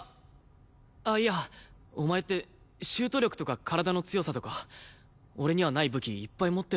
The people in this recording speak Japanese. あいやお前ってシュート力とか体の強さとか俺にはない武器いっぱい持ってるからさ。